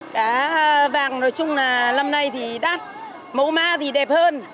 cá vàng nói chung là lâm nay thì đắt mẫu mã thì đẹp hơn